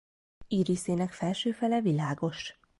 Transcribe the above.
Íriszének felső fele világos.